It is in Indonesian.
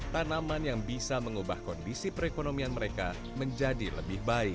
tanaman yang bisa mengubah kondisi perekonomian mereka menjadi lebih baik